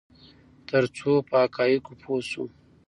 ترڅو په حقایقو پوه شو.